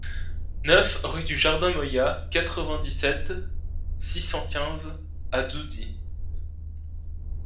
neuf rue du Jardin Moya, quatre-vingt-dix-sept, six cent quinze à Dzaoudzi